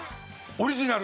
オリジナル。